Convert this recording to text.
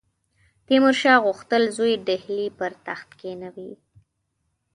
تیمورشاه غوښتل زوی ډهلي پر تخت کښېنوي.